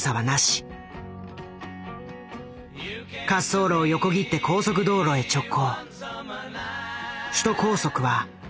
滑走路を横切って高速道路へ直行。